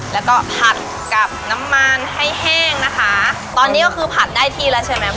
แล้วก็ผัดกับน้ำมันให้แห้งนะคะตอนนี้ก็คือผัดได้ที่แล้วใช่ไหม